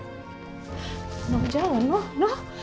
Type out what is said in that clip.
noh jangan noh noh